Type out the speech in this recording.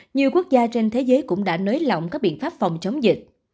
nhiều quốc gia trên thế giới cũng đã nới lỏng các biện pháp phòng chống dịch